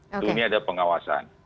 itu ini adalah pengawasan